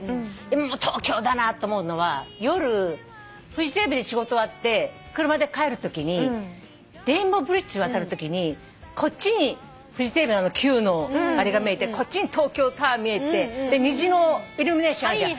今も東京だなと思うのは夜フジテレビで仕事終わって車で帰るときにレインボーブリッジ渡るときにこっちにフジテレビの球のあれが見えてこっちに東京タワー見えてで虹のイルミネーションあんじゃん。